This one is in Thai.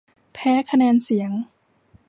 แพ้คะแนนเสียง